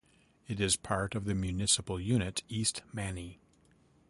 It is part of the municipal unit East Mani.